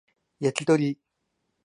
焼き鳥